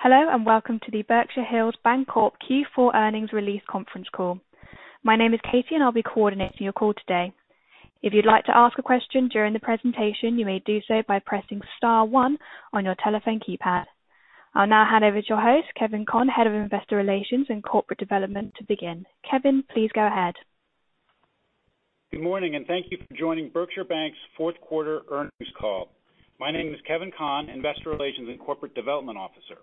Hello, and welcome to the Berkshire Hills Bancorp Q4 earnings release conference call. My name is Katie, and I'll be coordinating your call today. If you'd like to ask a question during the presentation, you may do so by pressing star one on your telephone keypad. I'll now hand over to your host, Kevin Conn, Head of Investor Relations and Corporate Development to begin. Kevin, please go ahead. Good morning, and thank you for joining Berkshire Bank's Q4 earnings call. My name is Kevin Conn, Investor Relations and Corporate Development Officer.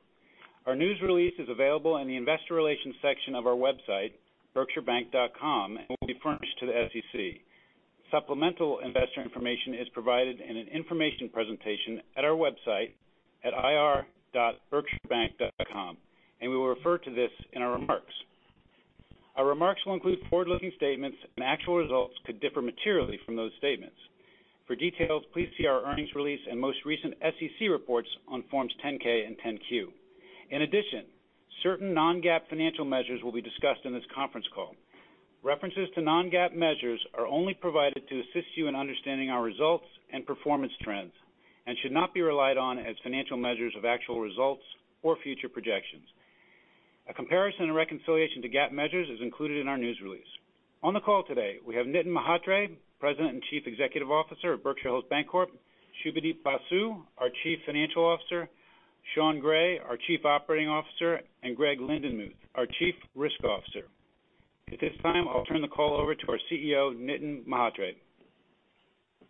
Our news release is available in the investor relations section of our website, berkshirebank.com, and will be furnished to the SEC. Supplemental investor information is provided in an information presentation at our website at ir.berkshirebank.com, and we will refer to this in our remarks. Our remarks will include forward-looking statements and actual results could differ materially from those statements. For details, please see our earnings release and most recent SEC reports on forms 10-K and 10-Q. In addition, certain non-GAAP financial measures will be discussed in this conference call. References to non-GAAP measures are only provided to assist you in understanding our results and performance trends and should not be relied on as financial measures of actual results or future projections. A comparison and reconciliation to GAAP measures is included in our news release. On the call today, we have Nitin Mhatre, President and Chief Executive Officer of Berkshire Hills Bancorp, Subhadeep Basu, our Chief Financial Officer, Sean Gray, our Chief Operating Officer, and Greg Lindenmuth, our Chief Risk Officer. At this time, I'll turn the call over to our CEO, Nitin Mhatre.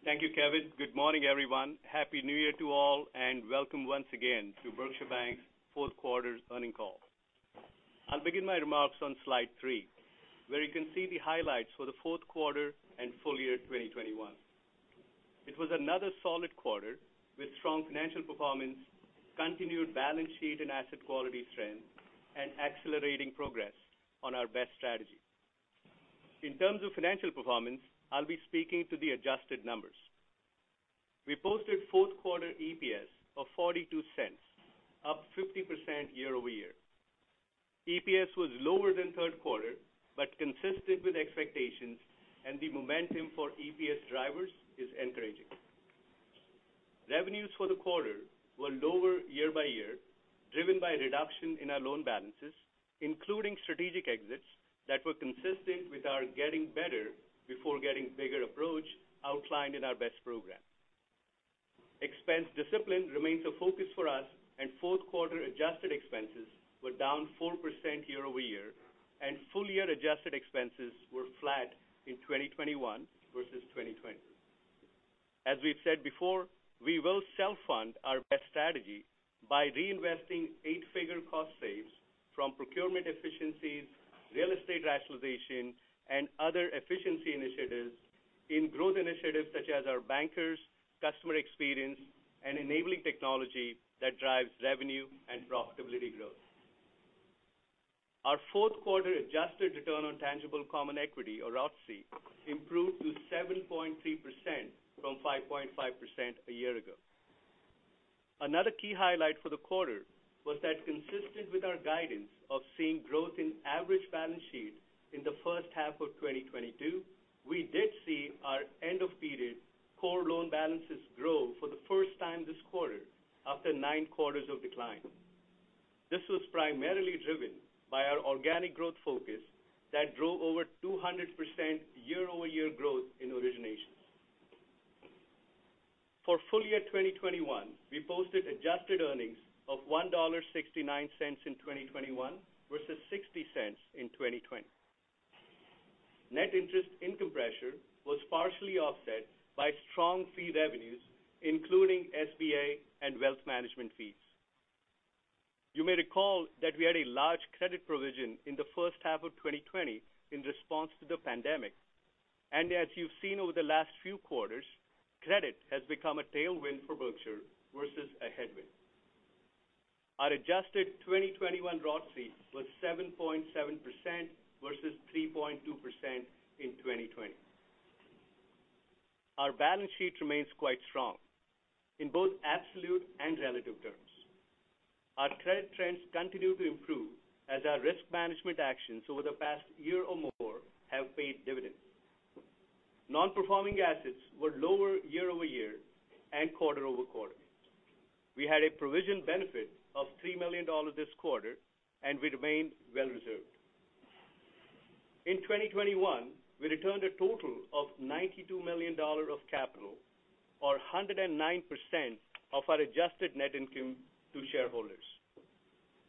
Thank you, Kevin. Good morning, everyone. Happy New Year to all, and welcome once again to Berkshire Bank's Q4 earnings call. I'll begin my remarks on slide 3, where you can see the highlights for the Q4 and full year 2021. It was another solid quarter with strong financial performance, continued balance sheet and asset quality trends, and accelerating progress on our BEST strategy. In terms of financial performance, I'll be speaking to the adjusted numbers. We posted Q4 EPS of $0.42, up 50% year-over-year. EPS was lower than Q3, but consistent with expectations, and the momentum for EPS drivers is encouraging. Revenues for the quarter were lower year-over-year, driven by a reduction in our loan balances, including strategic exits that were consistent with our getting better before getting bigger approach outlined in our BEST program. Expense discipline remains a focus for us, and Q4 adjusted expenses were down 4% year-over-year, and full year adjusted expenses were flat in 2021 versus 2020. As we've said before, we will self-fund our BEST strategy by reinvesting eight-figure cost saves from procurement efficiencies, real estate rationalization, and other efficiency initiatives in growth initiatives such as our bankers, customer experience, and enabling technology that drives revenue and profitability growth. Our Q4 adjusted return on tangible common equity, or ROTCE, improved to 7.3% from 5.5% a year ago. Another key highlight for the quarter was that consistent with our guidance of seeing growth in average balance sheets in the H1 of 2022, we did see our end of period core loan balances grow for the first time this quarter after nine quarters of decline. This was primarily driven by our organic growth focus that drove over 200% year-over-year growth in originations. For full year 2021, we posted adjusted earnings of $1.69 in 2021 versus $0.60 in 2020. Net interest income pressure was partially offset by strong fee revenues, including SBA and wealth management fees. You may recall that we had a large credit provision in the H1 of 2020 in response to the pandemic. As you've seen over the last few quarters, credit has become a tailwind for Berkshire versus a headwind. Our adjusted 2021 ROTCE was 7.7% versus 3.2% in 2020. Our balance sheet remains quite strong in both absolute and relative terms. Our credit trends continue to improve as our risk management actions over the past year or more have paid dividends. Non-performing assets were lower year-over-year and quarter-over-quarter. We had a provision benefit of $3 million this quarter, and we remain well reserved. In 2021, we returned a total of $92 million of capital or 109% of our adjusted net income to shareholders.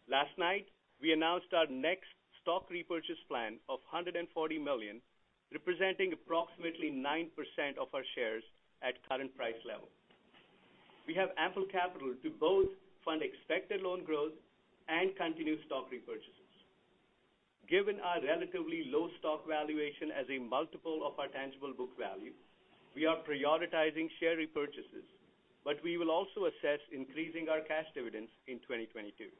Last night, we announced our next stock repurchase plan of $140 million, representing approximately 9% of our shares at current price level. We have ample capital to both fund expected loan growth and continue stock repurchases. Given our relatively low stock valuation as a multiple of our tangible book value, we are prioritizing share repurchases, but we will also assess increasing our cash dividends in 2022.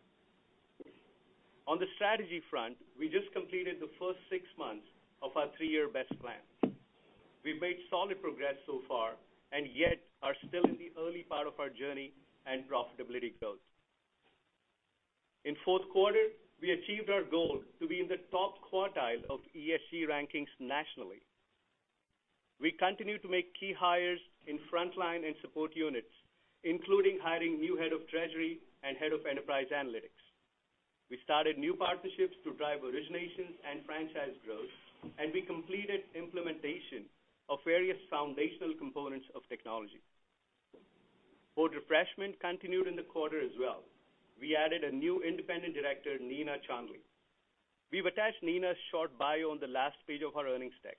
On the strategy front, we just completed the first six months of our three-year BEST plan. We've made solid progress so far, and yet are still in the early part of our journey and profitability growth. In Q4, we achieved our goal to be in the top quartile of ESG rankings nationally. We continue to make key hires in frontline and support units, including hiring new head of treasury and head of enterprise analytics. We started new partnerships to drive originations and franchise growth, and we completed implementation of various foundational components of technology. Board refreshment continued in the quarter as well. We added a new independent director, Nina Charnley. We've attached Nina's short bio on the last page of our earnings deck.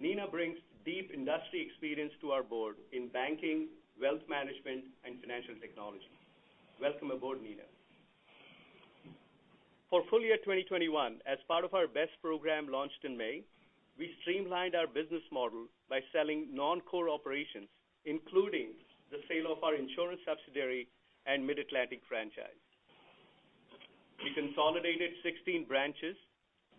Nina brings deep industry experience to our board in banking, wealth management, and financial technology. Welcome aboard, Nina. For full year 2021, as part of our BEST program launched in May, we streamlined our business model by selling non-core operations, including the sale of our insurance subsidiary and Mid-Atlantic franchise. We consolidated 16 branches.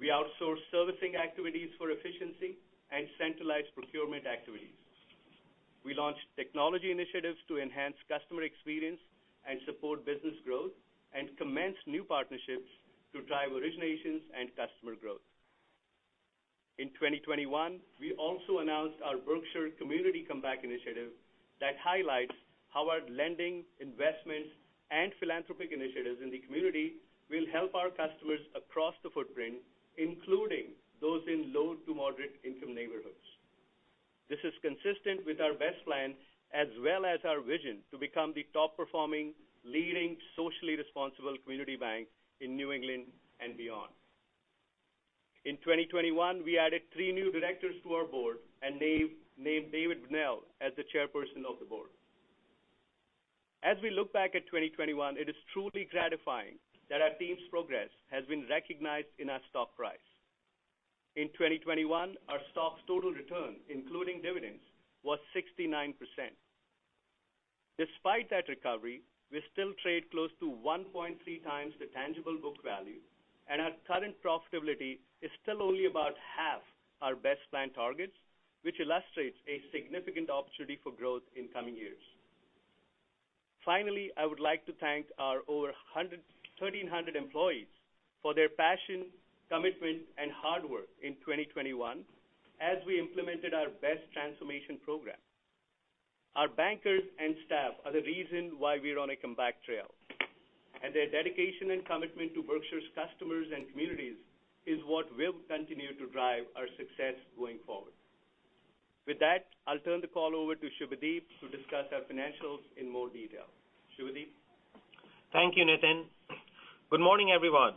We outsourced servicing activities for efficiency and centralized procurement activities. We launched technology initiatives to enhance customer experience and support business growth, and commenced new partnerships to drive originations and customer growth. In 2021, we also announced our BEST Community Comeback initiative that highlights how our lending, investments, and philanthropic initiatives in the community will help our customers across the footprint, including those in low to moderate income neighborhoods. This is consistent with our BEST plans as well as our vision to become the top-performing, leading, socially responsible community bank in New England and beyond. In 2021, we added three new directors to our board and named David Brunelle as the Chairperson of the Board. As we look back at 2021, it is truly gratifying that our team's progress has been recognized in our stock price. In 2021, our stock's total return, including dividends, was 69%. Despite that recovery, we still trade close to 1.3 times the tangible book value, and our current profitability is still only about half our best planned targets, which illustrates a significant opportunity for growth in coming years. Finally, I would like to thank our over 1,300 employees for their passion, commitment, and hard work in 2021 as we implemented our BEST transformation program. Our bankers and staff are the reason why we're on a comeback trail. Their dedication and commitment to Berkshire's customers and communities is what will continue to drive our success going forward. With that, I'll turn the call over to Subhadeep Basu to discuss our financials in more detail. Subhadeep Basu? Thank you, Nitin. Good morning, everyone.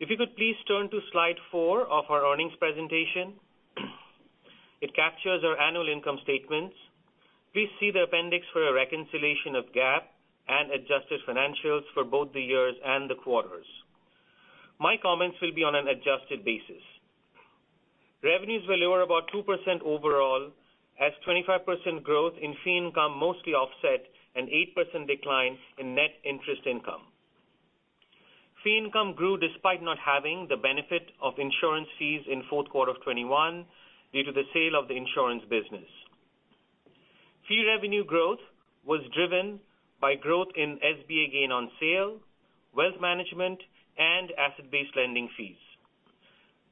If you could please turn to slide 4 of our earnings presentation. It captures our annual income statements. Please see the appendix for a reconciliation of GAAP and adjusted financials for both the years and the quarters. My comments will be on an adjusted basis. Revenues were lower about 2% overall as 25% growth in fee income mostly offset an 8% decline in net interest income. Fee income grew despite not having the benefit of insurance fees in Q4 of 2021 due to the sale of the insurance business. Fee revenue growth was driven by growth in SBA gain on sale, wealth management, and asset-based lending fees.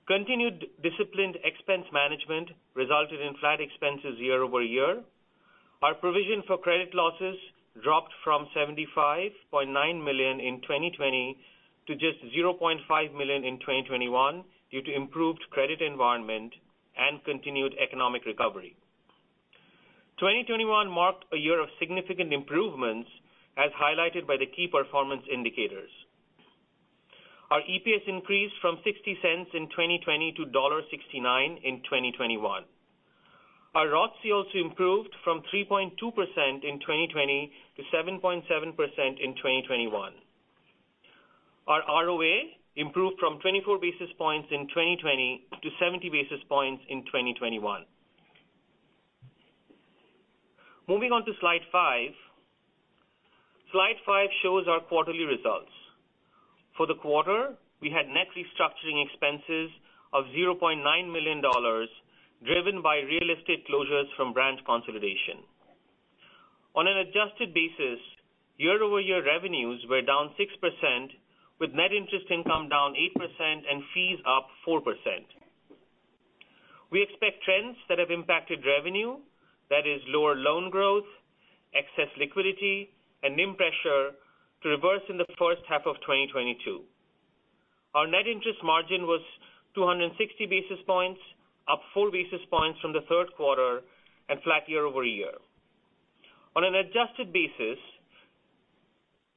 Continued disciplined expense management resulted in flat expenses year-over-year. Our provision for credit losses dropped from $75.9 million in 2020 to just $0.5 million in 2021 due to improved credit environment and continued economic recovery. 2021 marked a year of significant improvements as highlighted by the key performance indicators. Our EPS increased from $0.60 in 2020 to $1.69 in 2021. Our ROTCE also improved from 3.2% in 2020 to 7.7% in 2021. Our ROA improved from 24 basis points in 2020 to 70 basis points in 2021. Moving on to slide five. Slide five shows our quarterly results. For the quarter, we had net restructuring expenses of $0.9 million, driven by real estate closures from branch consolidation. On an adjusted basis, year-over-year revenues were down 6%, with net interest income down 8% and fees up 4%. We expect trends that have impacted revenue, that is lower loan growth, excess liquidity, and NIM pressure to reverse in the H1 of 2022. Our net interest margin was 260 basis points, up 4 basis points from the Q3 and flat year-over-year. On an adjusted basis,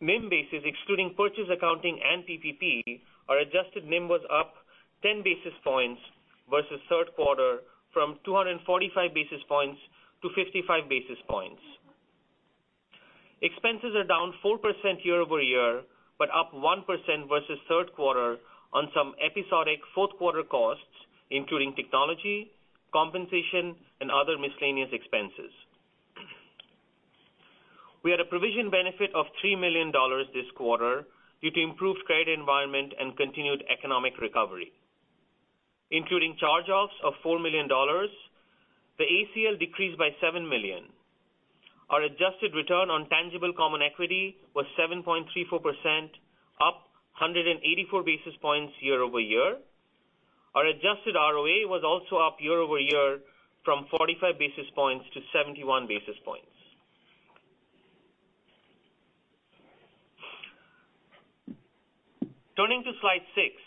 NIM basis, excluding purchase accounting and PPP, our adjusted NIM was up 10 basis points versus Q3 from 245 basis points to 55 basis points. Expenses are down 4% year-over-year, but up 1% versus Q3 on some episodic Q4 costs, including technology, compensation, and other miscellaneous expenses. We had a provision benefit of $3 million this quarter due to improved credit environment and continued economic recovery. Including charge-offs of $4 million, the ACL decreased by $7 million. Our adjusted return on tangible common equity was 7.34%, up 184 basis points year-over-year. Our adjusted ROA was also up year-over-year from 45 basis points to 71 basis points. Turning to slide six.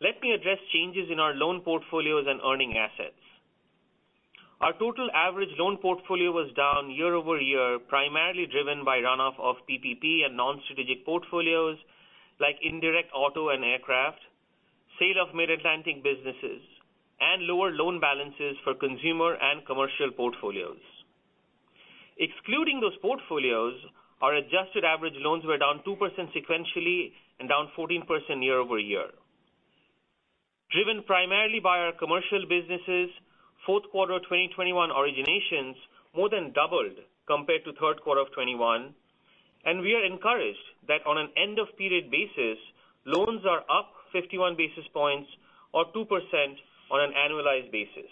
Let me address changes in our loan portfolios and earning assets. Our total average loan portfolio was down year-over-year, primarily driven by runoff of PPP and non-strategic portfolios, like indirect auto and aircraft, sale of Mid-Atlantic businesses, and lower loan balances for consumer and commercial portfolios. Excluding those portfolios, our adjusted average loans were down 2% sequentially and down 14% year-over-year. Driven primarily by our commercial businesses, Q4 2021 originations more than doubled compared to Q3 of 2021. We are encouraged that on an end of period basis, loans are up 51 basis points or 2% on an annualized basis.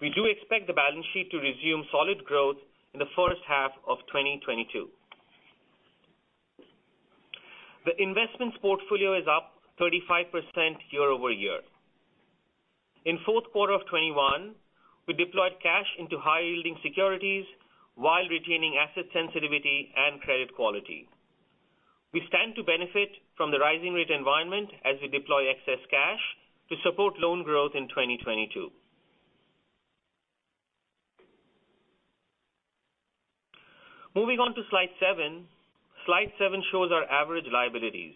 We do expect the balance sheet to resume solid growth in the H1 of 2022. The investments portfolio is up 35% year-over-year. In Q4 of 2021, we deployed cash into high-yielding securities while retaining asset sensitivity and credit quality. We stand to benefit from the rising rate environment as we deploy excess cash to support loan growth in 2022. Moving on to slide seven. Slide seven shows our average liabilities.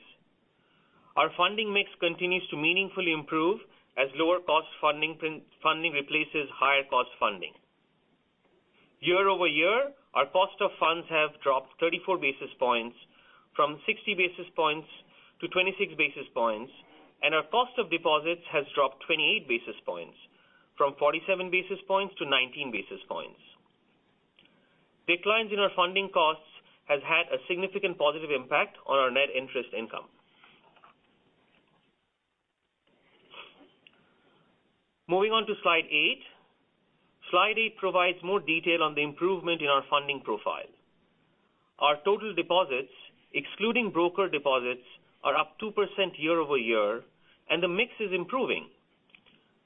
Our funding mix continues to meaningfully improve as lower cost funding replaces higher cost funding. Year-over-year, our cost of funds have dropped 34 basis points from 60 basis points to 26 basis points, and our cost of deposits has dropped 28 basis points from 47 basis points to 19 basis points. Declines in our funding costs has had a significant positive impact on our net interest income. Moving on to slide 8. Slide 8 provides more detail on the improvement in our funding profile. Our total deposits, excluding broker deposits, are up 2% year-over-year, and the mix is improving.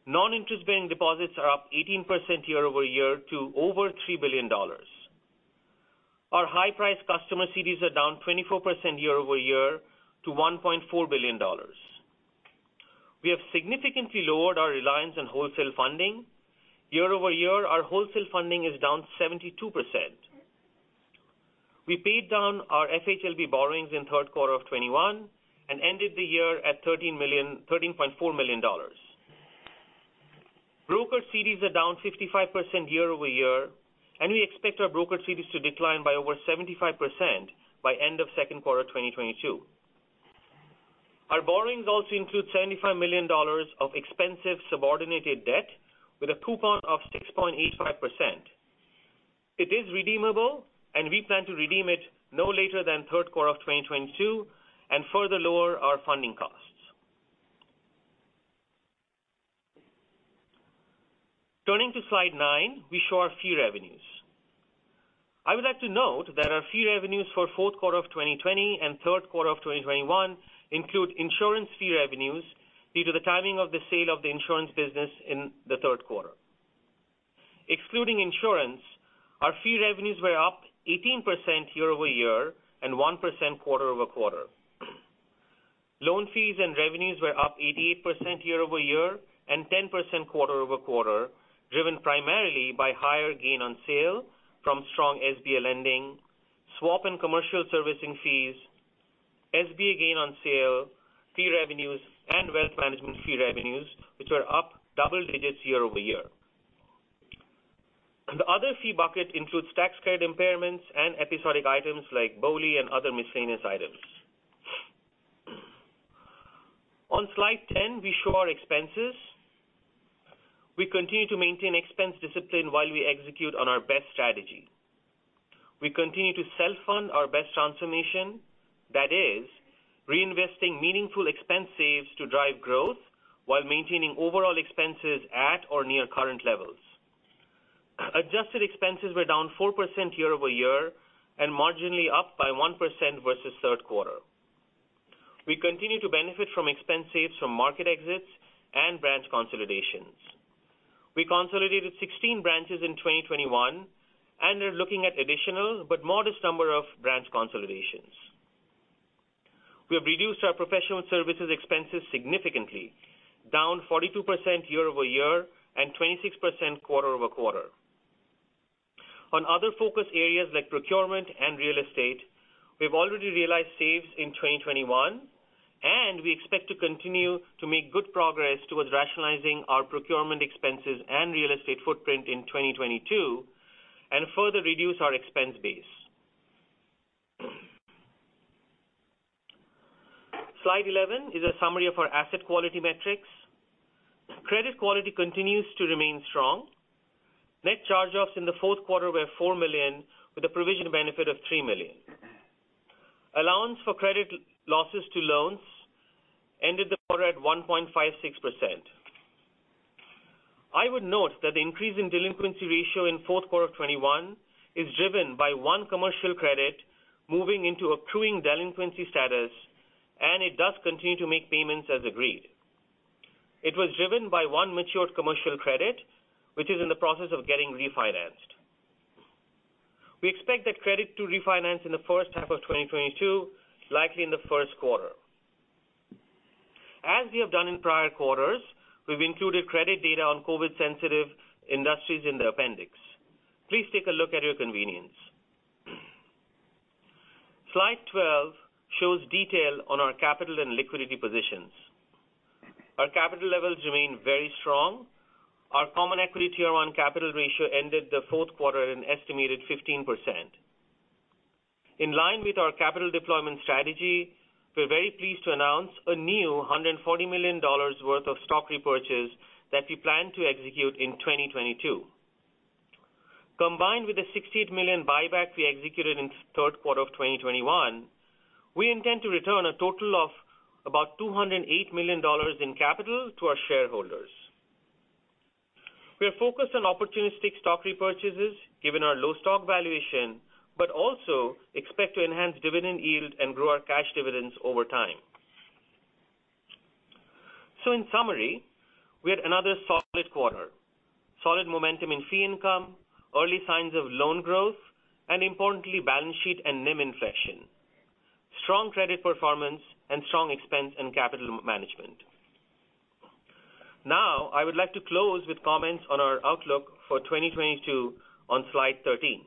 Non-interest bearing deposits are up 18% year-over-year to over $3 billion. Our high-priced customer CDs are down 24% year-over-year to $1.4 billion. We have significantly lowered our reliance on wholesale funding. Year-over-year, our wholesale funding is down 72%. We paid down our FHLB borrowings in Q3 of 2021 and ended the year at $13.4 million. Broker CDs are down 55% year-over-year, and we expect our broker CDs to decline by over 75% by end of Q2 of 2022. Our borrowings also include $75 million of expensive subordinated debt with a coupon of 6.85%. It is redeemable, and we plan to redeem it no later than Q3 of 2022 and further lower our funding costs. Turning to Slide 9, we show our fee revenues. I would like to note that our fee revenues for Q4 of 2020 and Q3 of 2021 include insurance fee revenues due to the timing of the sale of the insurance business in the Q3. Excluding insurance, our fee revenues were up 18% year-over-year and 1% quarter-over-quarter. Loan fees and revenues were up 88% year-over-year and 10% quarter-over-quarter, driven primarily by higher gain on sale from strong SBA lending, swap and commercial servicing fees, SBA gain on sale, fee revenues, and wealth management fee revenues, which were up double digits year-over-year. The other fee bucket includes tax credit impairments and episodic items like BOLI and other miscellaneous items. On slide 10, we show our expenses. We continue to maintain expense discipline while we execute on our BEST strategy. We continue to self-fund our BEST transformation, that is reinvesting meaningful expense saves to drive growth while maintaining overall expenses at or near current levels. Adjusted expenses were down 4% year-over-year and marginally up by 1% versus Q3. We continue to benefit from expense saves from market exits and branch consolidations. We consolidated 16 branches in 2021 and are looking at additional but modest number of branch consolidations. We have reduced our professional services expenses significantly, down 42% year-over-year and 26% quarter-over-quarter. On other focus areas like procurement and real estate, we've already realized saves in 2021, and we expect to continue to make good progress towards rationalizing our procurement expenses and real estate footprint in 2022 and further reduce our expense base. Slide 11 is a summary of our asset quality metrics. Credit quality continues to remain strong. Net charge-offs in the Q4 were $4 million, with a provision benefit of $3 million. Allowance for credit losses to loans ended the quarter at 1.56%. I would note that the increase in delinquency ratio in Q4 of 2021 is driven by one commercial credit moving into accruing delinquency status, and it does continue to make payments as agreed. It was driven by one matured commercial credit, which is in the process of getting refinanced. We expect that credit to refinance in the H1 of 2022, likely in the Q1. As we have done in prior quarters, we've included credit data on COVID sensitive industries in the appendix. Please take a look at your convenience. Slide 12 shows detail on our capital and liquidity positions. Our capital levels remain very strong. Our common equity tier one capital ratio ended the Q4 an estimated 15%. In line with our capital deployment strategy, we're very pleased to announce a new $140 million worth of stock repurchase that we plan to execute in 2022. Combined with the $68 million buyback we executed in Q3 of 2021, we intend to return a total of about $208 million in capital to our shareholders. We are focused on opportunistic stock repurchases given our low stock valuation, but also expect to enhance dividend yield and grow our cash dividends over time. In summary, we had another solid quarter, solid momentum in fee income, early signs of loan growth, and importantly, balance sheet and NIM inflection, strong credit performance and strong expense and capital management. Now, I would like to close with comments on our outlook for 2022 on slide 13.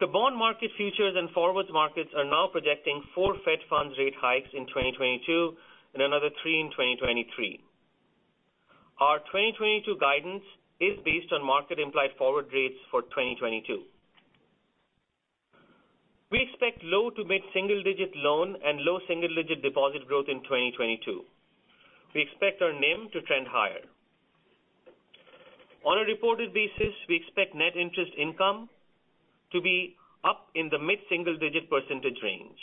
The bond market futures and forwards markets are now projecting 4 Fed funds rate hikes in 2022 and another 3 in 2023. Our 2022 guidance is based on market implied forward rates for 2022. We expect low- to mid-single-digit loan and low single-digit deposit growth in 2022. We expect our NIM to trend higher. On a reported basis, we expect net interest income to be up in the mid-single-digit percentage range.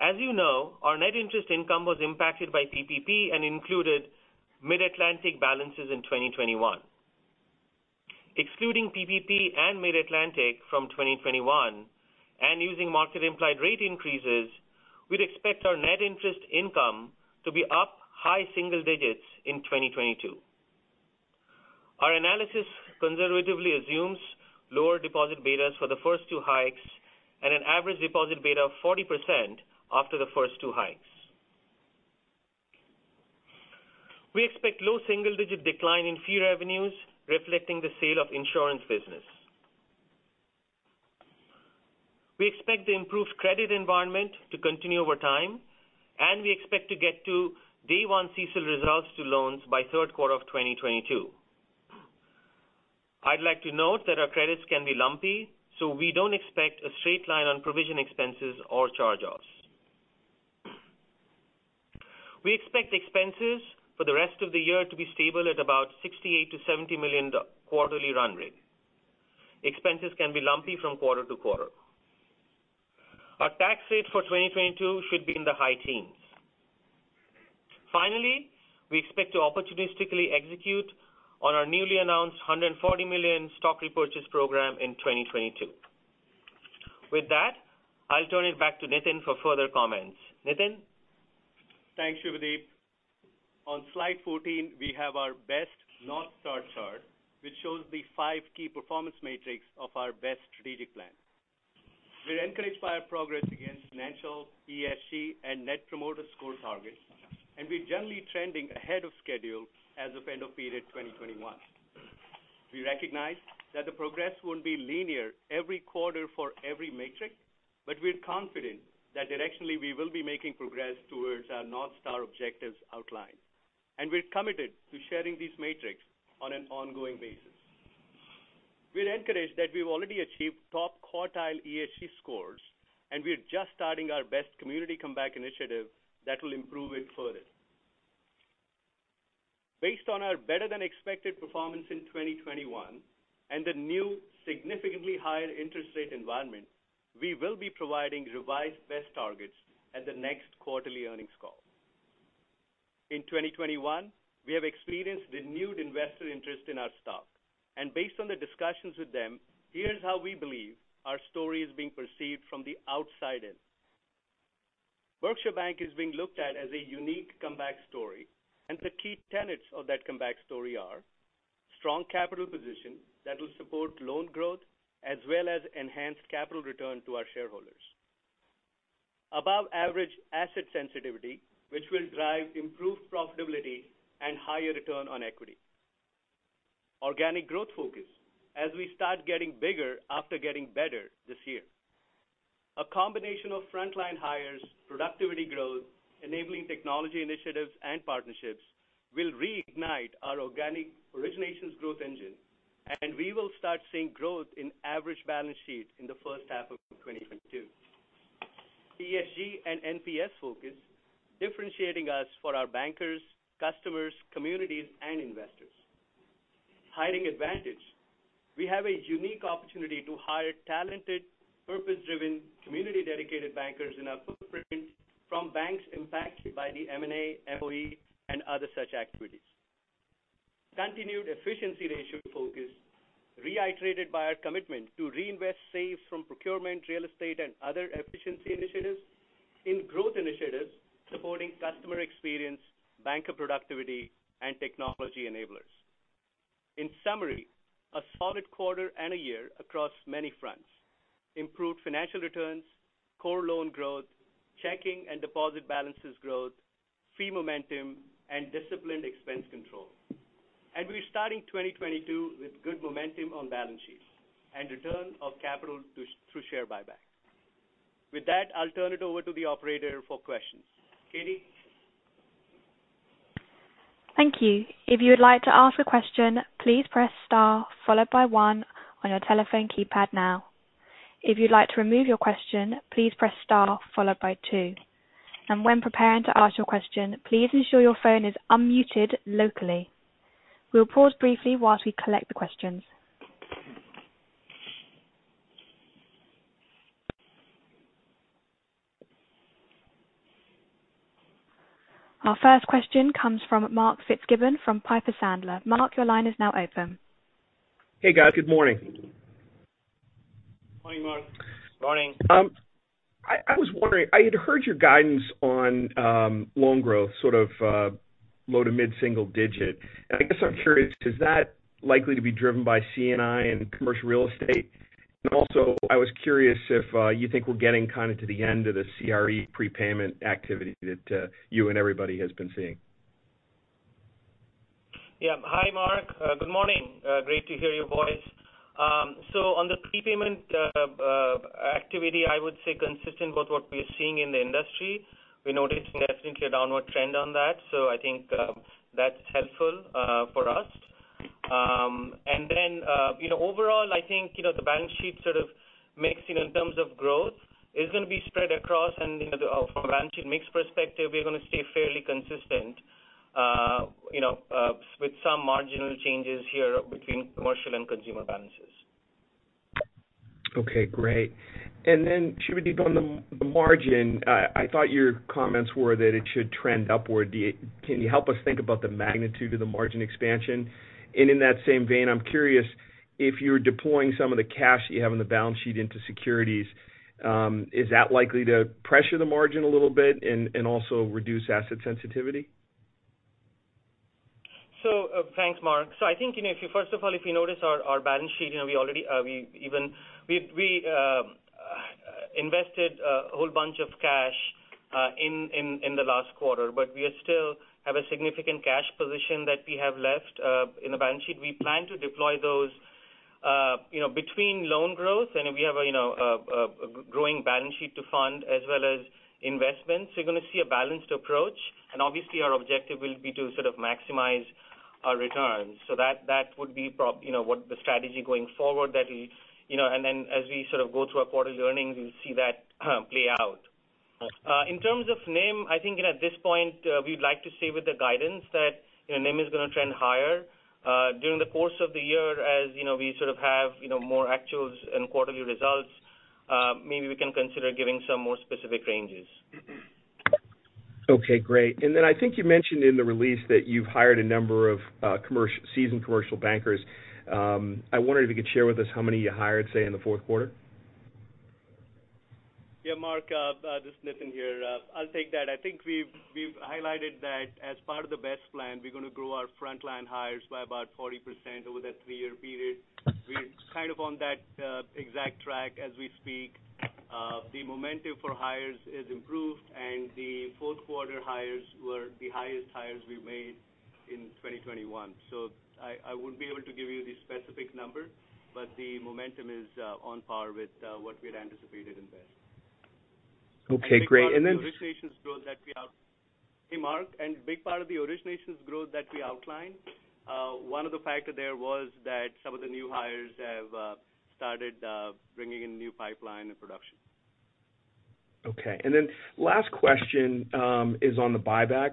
As you know, our net interest income was impacted by PPP and included Mid-Atlantic balances in 2021. Excluding PPP and Mid-Atlantic from 2021 and using market implied rate increases, we'd expect our net interest income to be up high single digits in 2022. Our analysis conservatively assumes lower deposit betas for the first two hikes and an average deposit beta of 40% after the first two hikes. We expect low single-digit decline in fee revenues reflecting the sale of insurance business. We expect the improved credit environment to continue over time, and we expect to get to day one CECL results to loans by Q3 of 2022. I'd like to note that our credits can be lumpy, so we don't expect a straight line on provision expenses or charge-offs. We expect expenses for the rest of the year to be stable at about $68 million-$70 million quarterly run rate. Expenses can be lumpy from quarter to quarter. Our tax rate for 2022 should be in the high teens. Finally, we expect to opportunistically execute on our newly announced $140 million stock repurchase program in 2022. With that, I'll turn it back to Nitin for further comments. Nitin. Thanks, Subhadeep. On slide 14, we have our BEST North Star chart, which shows the five key performance metrics of our BEST strategic plan. We're encouraged by our progress against financial, ESG, and Net Promoter Score targets, and we're generally trending ahead of schedule as of end of period 2021. We recognize that the progress won't be linear every quarter for every metric, but we're confident that directionally we will be making progress towards our North Star objectives outlined. We're committed to sharing these metrics on an ongoing basis. We're encouraged that we've already achieved top quartile ESG scores, and we are just starting our BEST Community Comeback initiative that will improve it further. Based on our better than expected performance in 2021 and the new significantly higher interest rate environment, we will be providing revised BEST targets at the next quarterly earnings call. In 2021, we have experienced renewed investor interest in our stock. Based on the discussions with them, here's how we believe our story is being perceived from the outside in. Berkshire Bank is being looked at as a unique comeback story, and the key tenets of that comeback story are strong capital position that will support loan growth as well as enhanced capital return to our shareholders. Above average asset sensitivity, which will drive improved profitability and higher return on equity. Organic growth focus as we start getting bigger after getting better this year. A combination of frontline hires, productivity growth, enabling technology initiatives and partnerships will reignite our organic originations growth engine, and we will start seeing growth in average balances in the H1 of 2022. ESG and NPS focus differentiating us for our bankers, customers, communities, and investors. Hiring advantage. We have a unique opportunity to hire talented, purpose-driven, community-dedicated bankers in our footprint from banks impacted by the M&A, MOE, and other such activities. Continued efficiency ratio focus reiterated by our commitment to reinvest saves from procurement, real estate, and other efficiency initiatives in growth initiatives supporting customer experience, banker productivity, and technology enablers. In summary, a solid quarter and a year across many fronts. Improved financial returns, core loan growth, checking and deposit balances growth, fee momentum, and disciplined expense control. We're starting 2022 with good momentum on balance sheets and return of capital to shareholders through share buyback. With that, I'll turn it over to the operator for questions. Katie? Thank you. If you would like to ask a question, please press star followed by one on your telephone keypad now. If you'd like to remove your question, please press star followed by two. When preparing to ask your question, please ensure your phone is unmuted locally. We'll pause briefly while we collect the questions. Our first question comes from Mark Fitzgibbon from Piper Sandler. Mark, your line is now open. Hey, guys. Good morning. Morning, Mark. Morning. I was wondering, I had heard your guidance on loan growth sort of low- to mid-single-digit %. I guess I'm curious, is that likely to be driven by C&I and commercial real estate? I was curious if you think we're getting kind of to the end of the CRE prepayment activity that you and everybody has been seeing. Yeah. Hi, Mark. Good morning. Great to hear your voice. So on the prepayment activity, I would say consistent with what we're seeing in the industry. We noticed definitely a downward trend on that, so I think that's helpful for us. Then you know, overall, I think the balance sheet sort of mixing in terms of growth is gonna be spread across. You know, from a balance sheet mix perspective, we're gonna stay fairly consistent with some marginal changes here between commercial and consumer balances. Okay. Great. Then, Subhadeep, on the margin, I thought your comments were that it should trend upward. Can you help us think about the magnitude of the margin expansion? In that same vein, I'm curious if you're deploying some of the cash that you have on the balance sheet into securities. Is that likely to pressure the margin a little bit and also reduce asset sensitivity? Thanks, Mark. I think if you first of all notice our balance sheet we already invested a whole bunch of cash in the last quarter, but we still have a significant cash position that we have left in the balance sheet. We plan to deploy those between loan growth, and we have a a growing balance sheet to fund as well as investments. You're gonna see a balanced approach, and obviously our objective will be to sort of maximize our returns. That would be what the strategy going forward that we you know, and then as we sort of go through our quarterly earnings, you'll see that play out. In terms of NIM, I think at this point, we'd like to stay with the guidance that NIM is gonna trend higher. During the course of the year, as you know, we sort of have more actuals and quarterly results, maybe we can consider giving some more specific ranges. Okay, great. Then I think you mentioned in the release that you've hired a number of seasoned commercial bankers. I wondered if you could share with us how many you hired, say, in the Q4. Yeah, Mark, this is Nitin here. I'll take that. I think we've highlighted that as part of the BEST plan, we're gonna grow our frontline hires by about 40% over that three-year period. We're kind of on that exact track as we speak. The momentum for hires has improved, and the Q4 hires were the highest hires we made in 2021. I wouldn't be able to give you the specific number, but the momentum is on par with what we had anticipated in BEST. Okay, great. A big part of the originations growth that we outlined, one of the factors there was that some of the new hires have started bringing in new pipeline and production. Okay. Last question is on the buyback.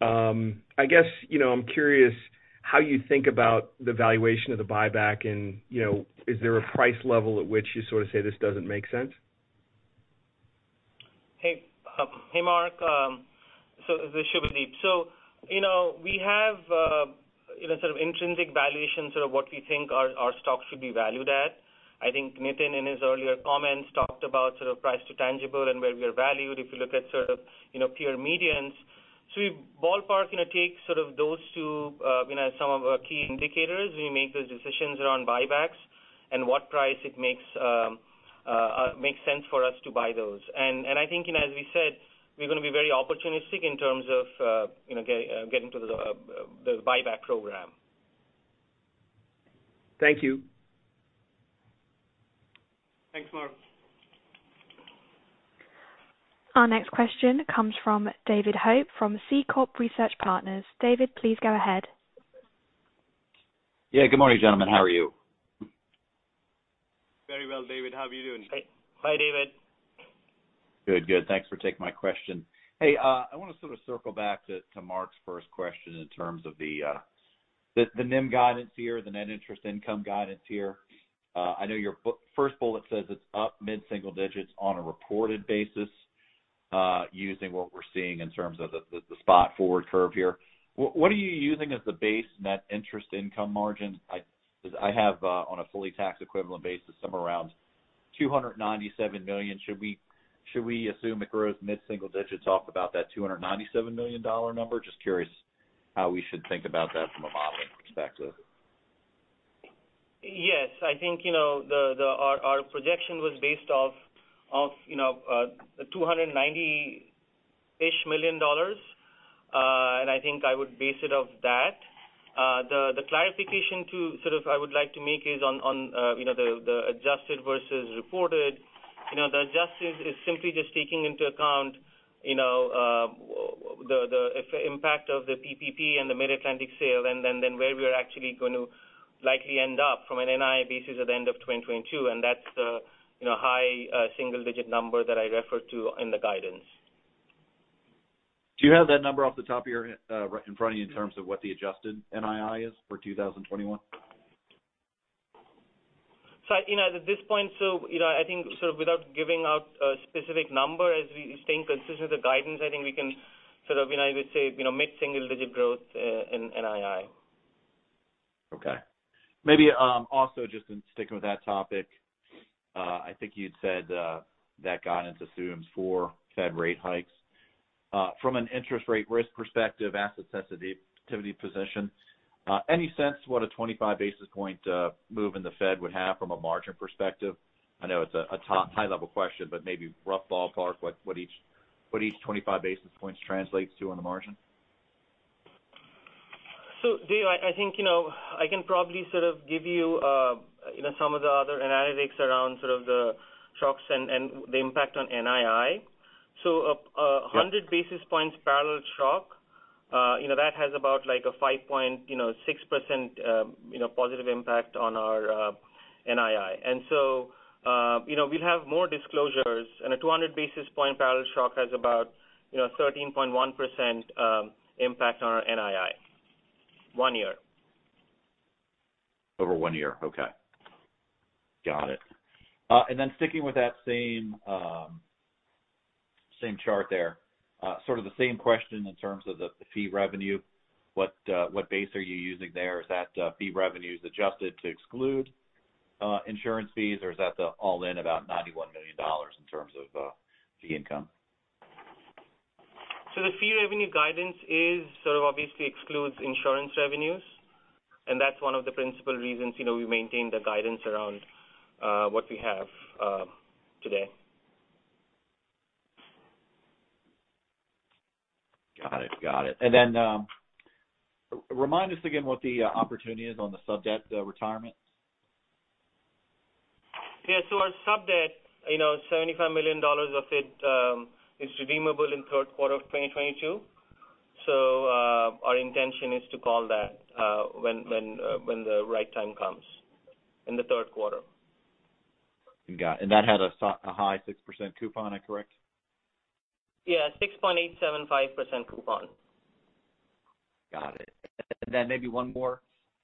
I guess I'm curious how you think about the valuation of the buyback and is there a price level at which you sort of say this doesn't make sense? Hey, Mark. This is Subhadeep. You know, we have you know, sort of intrinsic valuations of what we think our stock should be valued at. I think Nitin in his earlier comments talked about sort of price to tangible and where we are valued if you look at sort of peer medians. We ballpark take sort of those two some of our key indicators when we make those decisions around buybacks and what price it makes sense for us to buy those. I think as we said, we're gonna be very opportunistic in terms of getting to the buyback program. Thank you. Thanks, Mark. Our next question comes from David Bishop from Hovde Group. David, please go ahead. Yeah. Good morning, gentlemen. How are you? Very well, David. How are you doing? Hi, David. Good, good. Thanks for taking my question. I want to sort of circle back to Mark's first question in terms of the NIM guidance here, the net interest income guidance here. I know your BEST first bullet says it's up mid-single digits on a reported basis, using what we're seeing in terms of the spot forward curve here. What are you using as the base net interest income margin? I have, on a fully tax equivalent basis, somewhere around $297 million. Should we assume it grows mid-single digits off about that $297 million number? Just curious how we should think about that from a modeling perspective. Yes. I think the our projection was based off $290 million. I think I would base it off that. The clarification I would like to make is on the adjusted versus reported. You know, the adjusted is simply just taking into account the impact of the PPP and the Mid-Atlantic sale, and then where we're actually gonna likely end up from an NII basis at the end of 2022, and that's the high single-digit number that I referred to in the guidance. Do you have that number off the top of your head in front of you in terms of what the adjusted NII is for 2021? You know, at this point I think sort of without giving out a specific number as we staying consistent with guidance, I think we can sort of I would say mid-single digit growth in NII. Okay. Maybe also just in sticking with that topic, I think you'd said that guidance assumes 4 Fed rate hikes. From an interest rate risk perspective, asset sensitivity position, any sense to what a 25 basis point move in the Fed would have from a margin perspective? I know it's a top high level question, but maybe rough ballpark what each 25 basis points translates to on the margin. Dave, I think you know I can probably sort of give you you know some of the other analytics around sort of the shocks and the impact on NII. A 100 basis points parallel shock you know that has about like a 5.6% positive impact on our NII. We'll have more disclosures. A 200 basis points parallel shock has about 13.1% impact on our NII one year. Over one year. Okay. Got it. Sticking with that same chart there. Sort of the same question in terms of the fee revenue. What base are you using there? Is that fee revenues adjusted to exclude insurance fees, or is that the all-in about $91 million in terms of fee income? The fee revenue guidance sort of obviously excludes insurance revenues, and that's one of the principal reasons we maintain the guidance around what we have today. Got it. Remind us again what the opportunity is on the sub-debt retirement. Our sub-debt $75 million of it is redeemable in Q3 of 2022. Our intention is to call that when the right time comes in the Q3. Got it. That has a high 6% coupon, is correct? Yeah, 6.875% coupon. Got it. Maybe one more.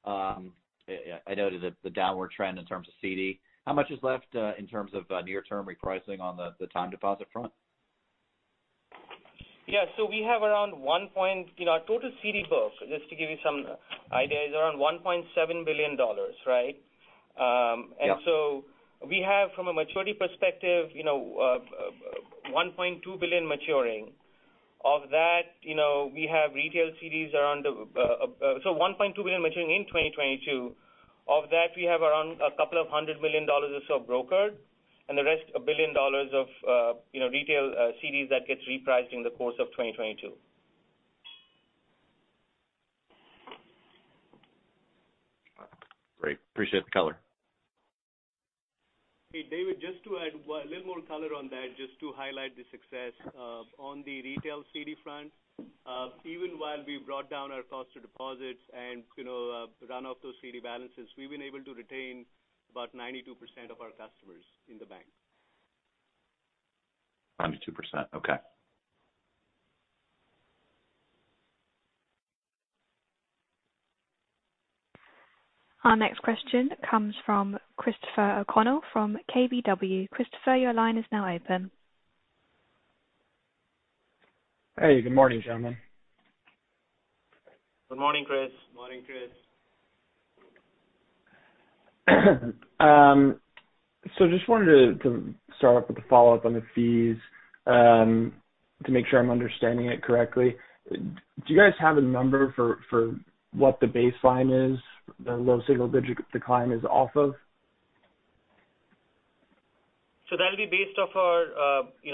Yeah, I noted the downward trend in terms of CD. How much is left in terms of near term repricing on the time deposit front? Yeah. We have around $1.7 billion. You know, our total CD book, just to give you some idea, is around $1.7 billion, right? Yeah. We have from a maturity perspective $1.2 billion maturing. Of that we have retail CDs around $1.2 billion maturing in 2022. Of that, we have around a couple of hundred million dollars or so brokered, and the rest $1 billion of retail CDs that gets repriced in the course of 2022. Great. Appreciate the color. Hey, David, just to add a little more color on that, just to highlight the success on the retail CD front. Even while we brought down our cost to deposits and run off those CD balances, we've been able to retain about 92% of our customers in the bank. 92%. Okay. Our next question comes from Christopher O'Connell from KBW. Christopher, your line is now open. Hey, good morning, gentlemen. Good morning, Chris. Morning, Chris. Just wanted to start off with a follow-up on the fees, to make sure I'm understanding it correctly. Do you guys have a number for what the baseline is, the low single-digit decline is off of? That'll be based off our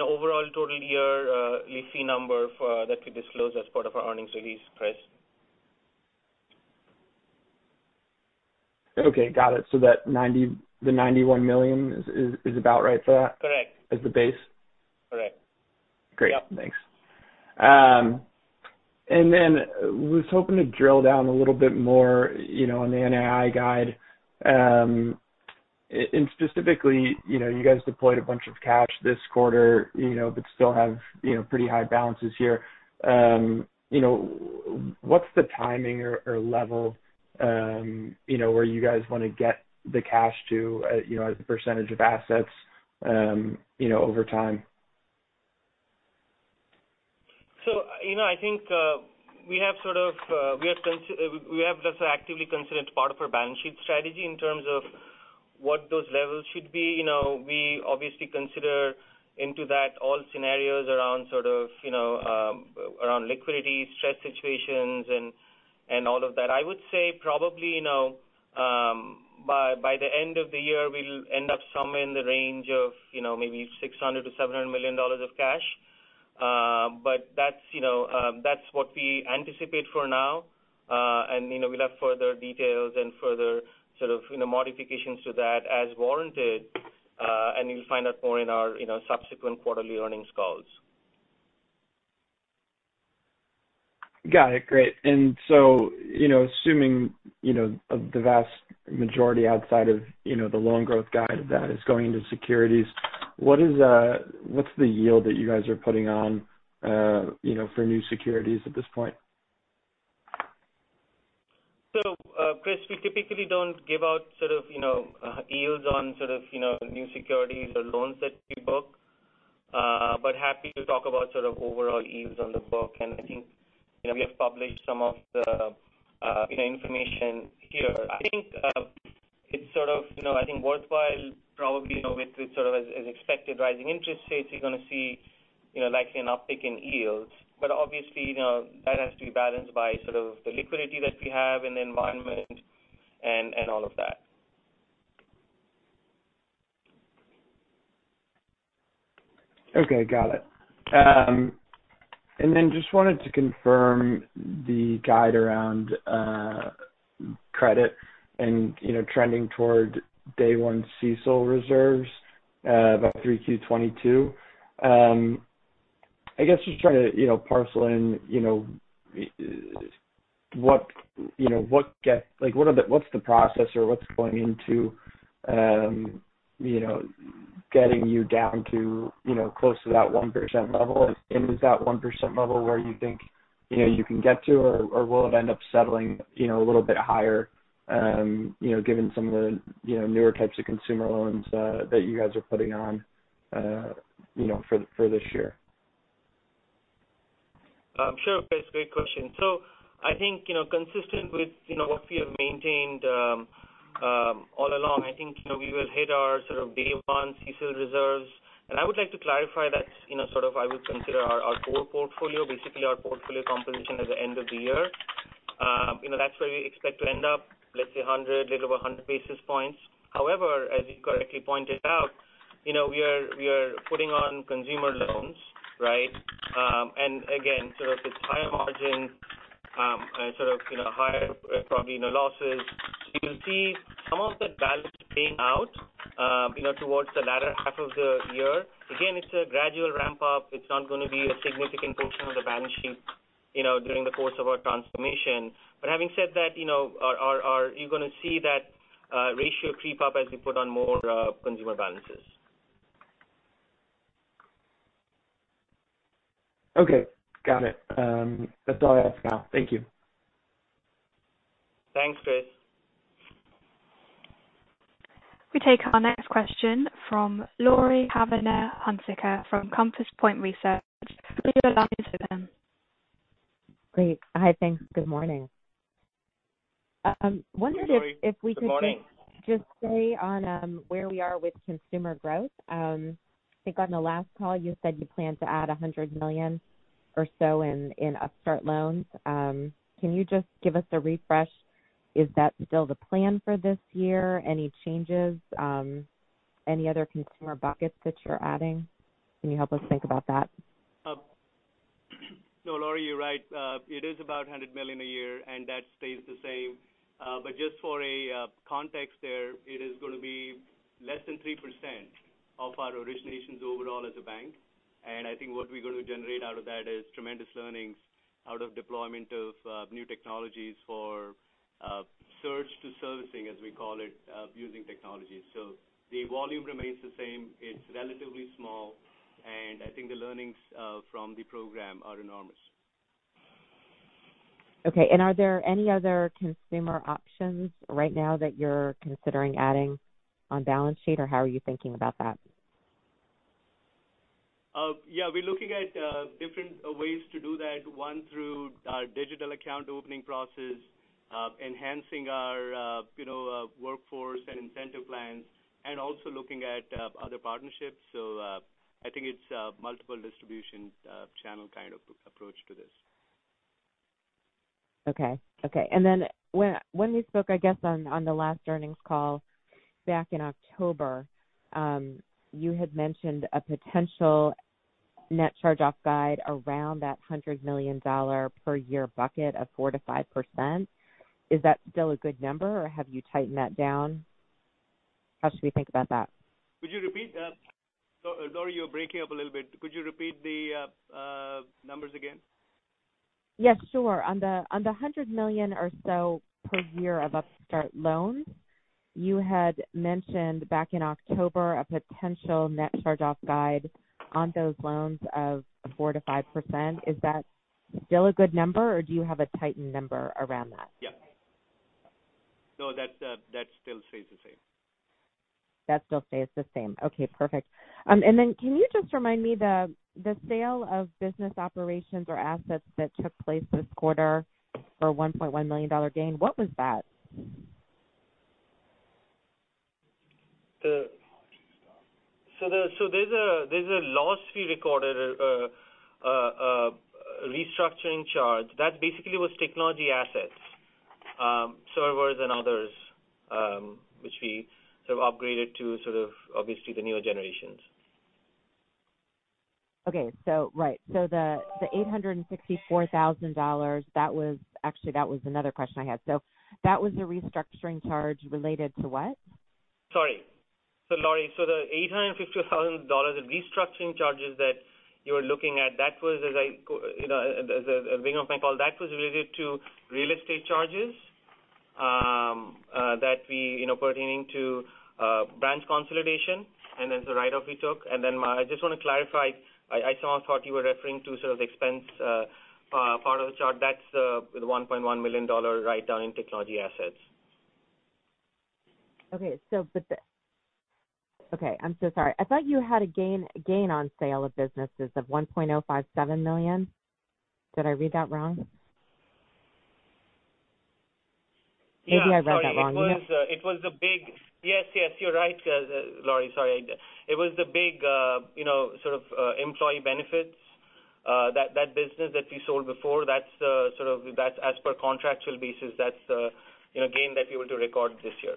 overall total year fee number that we disclose as part of our earnings release, Chris. Okay, got it. That $91 million is about right for that? Correct. Is the base? Great. Thanks. I was hoping to drill down a little bit more on the NII guide. specifically you guys deployed a bunch of cash this quarter but still have pretty high balances here. You know, what's the timing or level where you guys wanna get the cash to as a percentage of assets over time? You know, I think we have just actively considered it as part of our balance sheet strategy in terms of what those levels should be. You know, we obviously factor into that all scenarios around liquidity, stress situations and all of that. I would say probably by the end of the year, we'll end up somewhere in the range of maybe $600 million-$700 million of cash. But that's that's what we anticipate for now. You know, we'll have further details and further sort of modifications to that as warranted, and you'll find out more in our subsequent quarterly earnings calls. Got it. Great. You know, assuming of the vast majority outside of the loan growth guide that is going into securities, what's the yield that you guys are putting on for new securities at this point? Christopher O'Connell, we typically don't give out sort of yields on sort of new securities or loans that we book. Happy to talk about sort of overall yields on the book. I think we have published some of the information here. I think it's sort of I think worthwhile probably with sort of as expected rising interest rates, you're gonna see likely an uptick in yields. obviously that has to be balanced by sort of the liquidity that we have in the environment and all of that. Okay. Got it. And then just wanted to confirm the guide around credit and trending toward day one CECL reserves by 3Q 2022. I guess just trying to parcel in what's the process or what's going into getting you down to close to that 1% level? Is that 1% level where you think you can get to, or will it end up settling a little bit higher given some of the newer types of consumer loans that you guys are putting on for this year? Sure, Chris. Great question. I think consistent with what we have maintained, all along, I think we will hit our sort of day one CECL reserves. I would like to clarify that sort of I would consider our core portfolio, basically our portfolio composition at the end of the year. You know, that's where we expect to end up, let's say 100, a little over 100 basis points. However, as you correctly pointed out we are putting on consumer loans, right? And again, sort of it's higher margin, and sort of higher probably losses. You'll see some of the balance paying out towards the latter half of the year. Again, it's a gradual ramp up. It's not gonna be a significant portion of the balance sheet during the course of our transformation. Having said that are you gonna see that ratio creep up as we put on more consumer balances? Okay. Got it. That's all I ask now. Thank you. Thanks, Chris. We take our next question from Laurie Havener Hunsicker from Seaport Research Partners. We'll go to the line to them. Great. Hi, thanks. Good morning. I wondered if. Good morning. If we could just weigh in on where we are with consumer growth. I think on the last call, you said you plan to add $100 million or so in Upstart loans. Can you just give us a refresh? Is that still the plan for this year? Any changes? Any other consumer buckets that you're adding? Can you help us think about that? Laurie, you're right. It is about $100 million a year, and that stays the same. But just for context there, it is gonna be less than 3% of our originations overall as a bank. I think what we're gonna generate out of that is tremendous learnings out of deployment of new technologies for search to servicing, as we call it, using technologies. The volume remains the same. It's relatively small, and I think the learnings from the program are enormous. Okay. Are there any other consumer options right now that you're considering adding on balance sheet, or how are you thinking about that? We're looking at different ways to do that, one through our digital account opening process, enhancing our you know workforce and incentive plans, and also looking at other partnerships. I think it's a multiple distribution channel kind of approach to this. Okay. When we spoke, I guess, on the last earnings call back in October, you had mentioned a potential net charge-off guide around that $100 million per year bucket of 4%-5%. Is that still a good number, or have you tightened that down? How should we think about that? Could you repeat that? Laurie, you're breaking up a little bit. Could you repeat the numbers again? Yes, sure. On the $100 million or so per year of Upstart loans, you had mentioned back in October a potential net charge-off guide on those loans of 4%-5%. Is that still a good number, or do you have a tightened number around that? Yeah. No, that still stays the same. That still stays the same. Okay, perfect. Then can you just remind me the sale of business operations or assets that took place this quarter for $1.1 million gain, what was that? There's a loss we recorded, a restructuring charge. That basically was technology assets, servers and others, which we sort of upgraded to sort of obviously the newer generations. Okay. Right. The $864,000, actually, that was another question I had. That was a restructuring charge related to what? Sorry. Laurie, the $864,000 of restructuring charges that you're looking at, that was as I you know as I mentioned on my call, that was related to real estate charges that we you know pertaining to branch consolidation and as a write-off we took. I just wanna clarify, I saw and thought you were referring to sort of expense part of the chart. That's the $1.1 million write-down in technology assets. I'm so sorry. I thought you had a gain on sale of businesses of $1.057 million. Did I read that wrong? Yeah. Maybe I read that wrong. Yeah. Sorry. Yes. You're right, Laurie, sorry. It was the big sort of, employee benefits that business that we sold before, that's as per contractual basis. that's gain that we were to record this year.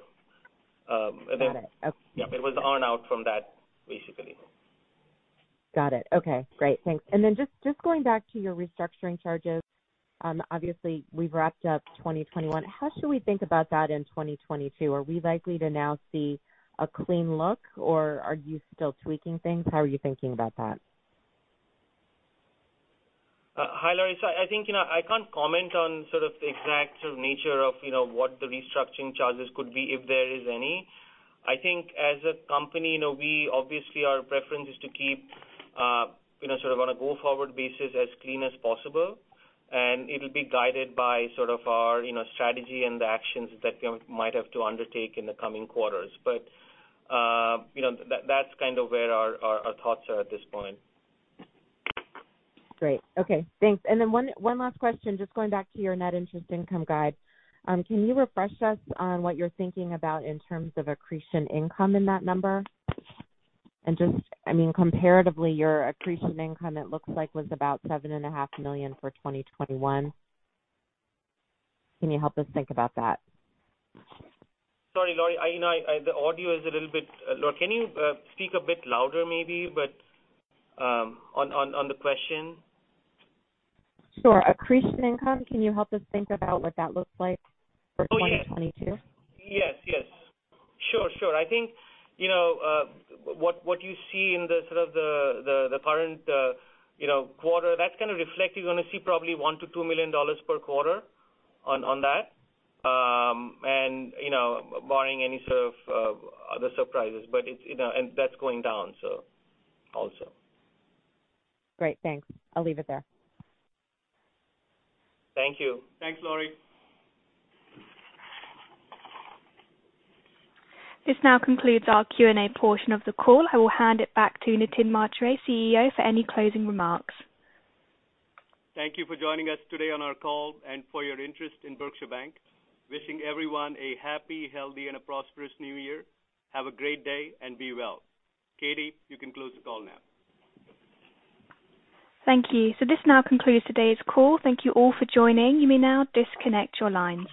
And then- Got it. Okay. Yeah, it was on out from that, basically. Got it. Okay. Great. Thanks. Just going back to your restructuring charges, obviously we've wrapped up 2021. How should we think about that in 2022? Are we likely to now see a clean look, or are you still tweaking things? How are you thinking about that? Hi, Laurie. I think I can't comment on sort of the exact sort of nature of what the restructuring charges could be, if there is any. I think as a company we obviously our preference is to keep sort of on a go-forward basis as clean as possible, and it'll be guided by sort of our strategy and the actions that we might have to undertake in the coming quarters. You know, that's kind of where our thoughts are at this point. Great. Okay. Thanks. One last question, just going back to your net interest income guide. Can you refresh us on what you're thinking about in terms of accretion income in that number? Just, I mean, comparatively, your accretion income, it looks like, was about $7.5 million for 2021. Can you help us think about that? Sorry, Laurie. You know, the audio is a little bit low. Can you speak a bit louder maybe, but on the question? Sure. Accretion income, can you help us think about what that looks like for? Oh, yes. 2022? Yes. Sure. I think what you see in the sort of current quarter, that's gonna reflect. You're gonna see probably $1 million-$2 million per quarter on that, and barring any sort of other surprises. it's and that's going down, so, also. Great. Thanks. I'll leave it there. Thank you. Thanks, Laurie. This now concludes our Q&A portion of the call. I will hand it back to Nitin Mhatre, CEO, for any closing remarks. Thank you for joining us today on our call and for your interest in Berkshire Bank. Wishing everyone a happy, healthy, and a prosperous new year. Have a great day and be well. Katie, you can close the call now. Thank you. This now concludes today's call. Thank you all for joining. You may now disconnect your lines.